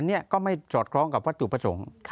อันนี้ก็ไม่สอดคล้องกับวัตถุประสงค์